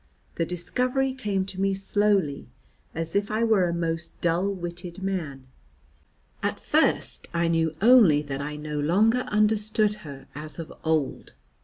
The discovery came to me slowly, as if I were a most dull witted man; at first I knew only that I no longer understood her as of old.